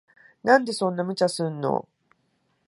なんでそんな無茶すんの。